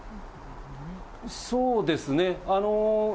そうですね。